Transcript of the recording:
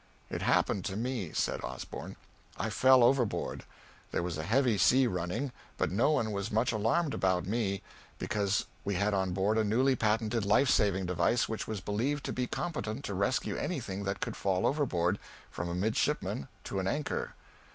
"It happened to me," said Osborn. "I fell overboard. There was a heavy sea running, but no one was much alarmed about me, because we had on board a newly patented life saving device which was believed to be competent to rescue anything that could fall overboard, from a midshipman to an anchor.